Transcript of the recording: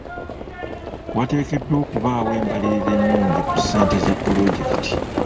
Wateekeddwa okubaawo embalirira ennungi ku ssente za pulojekiti.